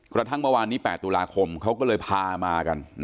กระทั่งเมื่อวานนี้๘ตุลาคมเขาก็เลยพามากัน